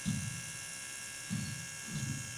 زما کور ام البلاد ، ټولې نړۍ شي